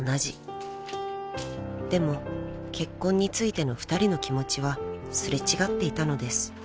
［でも結婚についての２人の気持ちは擦れ違っていたのです］